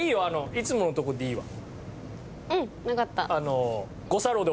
いつものところでいいわ。